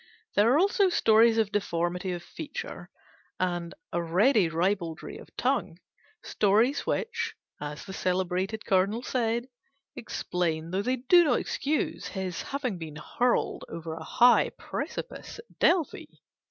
There are also stories of deformity of feature and a ready ribaldry of tongue: stories which (as the celebrated Cardinal said) explain, though they do not excuse, his having been hurled over a high precipice at Delphi.